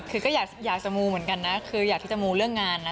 คือก็อยากจะมูเหมือนกันนะคืออยากที่จะมูเรื่องงานนะ